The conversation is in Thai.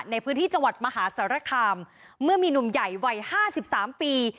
ในพื้นที่จังหวัดมหาสารคามเมื่อมีหนุ่มใหญ่วัย๕๓ปี